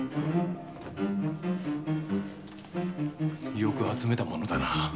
よく集めたものだな。